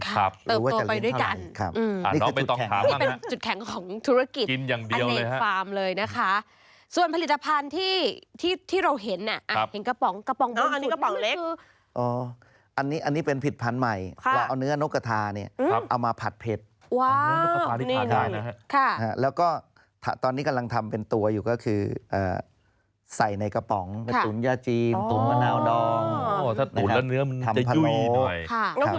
เติบโตไปด้วยกันนี่คือจุดแข็งอันนี้คือจุดแข็งของธุรกิจอันนี้คือจุดแข็งของธุรกิจอันนี้คือจุดแข็งของธุรกิจอันนี้คือจุดแข็งของธุรกิจอันนี้คือจุดแข็งของธุรกิจอันนี้คือจุดแข็งของธุรกิจอันนี้คือจุดแข็งของธุรกิจอันนี้คือจุดแข็งของธุรกิจอันน